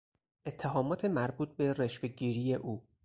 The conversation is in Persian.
اتهامات مربوط به رشوهگیری او